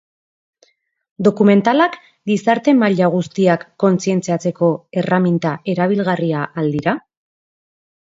Dokumentalak gizarte-maila guztiak kontzientziatzeko erreminta erabilgarria al dira?